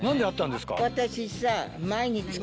私さ。